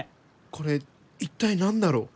これ一体何だろう？